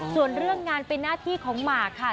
ส่วนเรื่องงานเป็นหน้าที่ของหมากค่ะ